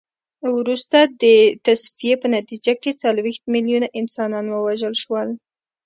وروسته د تصفیې په نتیجه کې څلوېښت میلیونه انسانان ووژل شول.